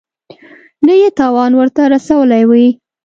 نه یې تاوان ورته رسولی وي.